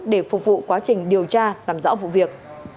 để phục vụ quá trình điều tra làm rõ vụ việc